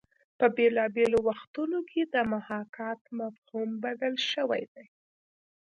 په بېلابېلو وختونو کې د محاکات مفهوم بدل شوی دی